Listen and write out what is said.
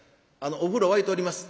お風呂沸いております。